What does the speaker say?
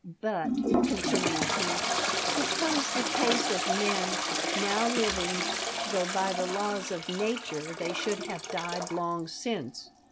" But," continued he, " suppose the case of men now living, though by the laws of Nature they should have died long since.